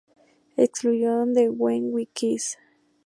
Excluyó ""And Then We Kiss"".